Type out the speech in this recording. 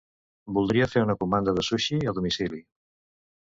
Voldria fer una comanda de sushi a domicili.